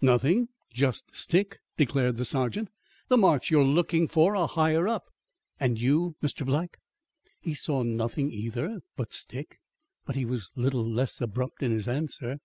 "Nothing; just stick," declared the sergeant. "The marks you are looking for are higher up." "And you, Mr. Black?" He saw nothing either but stick. But he was little less abrupt in his answer.